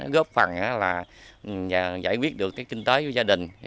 góp phần là giải quyết được cái kinh tế của gia đình